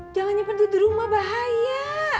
jangan seperti di rumah bahaya